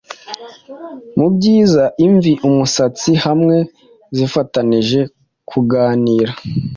Mubyiza imvi-umusatsi hamwe zifatanije kuganira